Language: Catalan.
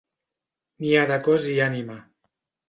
N'hi ha de cos i ànima.